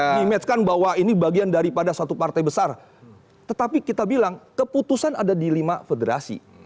ini matchkan bahwa ini bagian daripada satu partai besar tetapi kita bilang keputusan ada di lima federasi